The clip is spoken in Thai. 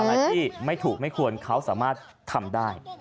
อะไรที่ไม่ถูกไม่ควรเขาสามารถทำได้